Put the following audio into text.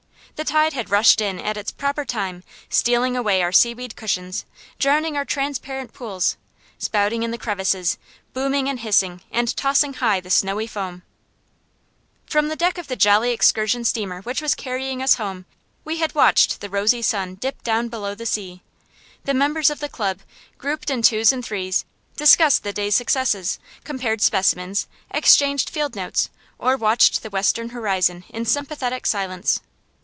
The tide had rushed in at its proper time, stealing away our seaweed cushions, drowning our transparent pools, spouting in the crevices, booming and hissing, and tossing high the snowy foam. [Illustration: THE TIDE HAD RUSHED IN, STEALING AWAY OUR SEAWEED CUSHIONS] From the deck of the jolly excursion steamer which was carrying us home, we had watched the rosy sun dip down below the sea. The members of the club, grouped in twos and threes, discussed the day's successes, compared specimens, exchanged field notes, or watched the western horizon in sympathetic silence.